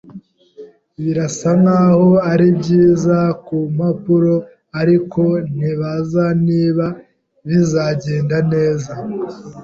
Birasa nkaho ari byiza ku mpapuro, ariko nibaza niba bizagenda neza.